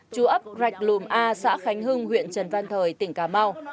chú ấp rạch lùm a xã khánh hưng huyện trần văn thời tỉnh cà mau